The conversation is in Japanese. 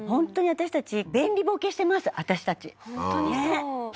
私たち